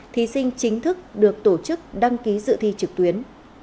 thí sinh chính thức được tổ chức đăng ký dự thi trực tuyến